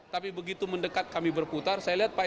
tapi begitu mendekat kami berputar saya lihat pak